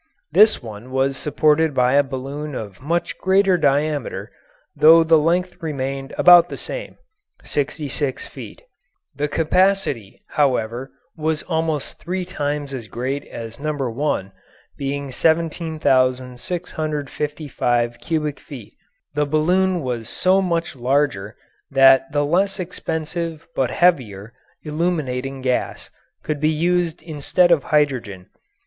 This one was supported by a balloon of much greater diameter, though the length remained about the same sixty six feet. The capacity, however, was almost three times as great as No. 1, being 17,655 cubic feet. The balloon was so much larger that the less expensive but heavier illuminating gas could be used instead of hydrogen.